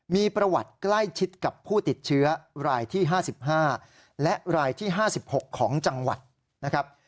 มีประวัติใกล้ชิดกับผู้ติดเชื้อรายที่๕๕และรายที่๕๖ของจังหวัดนะครับ